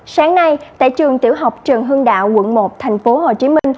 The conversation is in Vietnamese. sáng nay tại trường tiểu học trần hương đạo quận một tp hcm